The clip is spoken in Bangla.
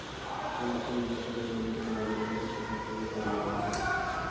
এমনকি নিজের টাকায় জমি কিনে বাড়ি বানালে সেখান থেকেও তাড়িয়ে দেওয়া হয়।